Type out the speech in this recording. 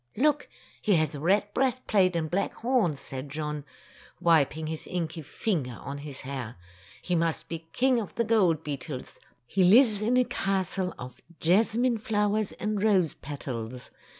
"Look! He has a red breast plate and black horns," said John, wiping his inky finger on his hair. "He must be King of the gold beetles. He lives in a castle of jasmine flowers and rose petals.